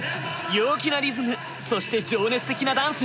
陽気なリズムそして情熱的なダンス。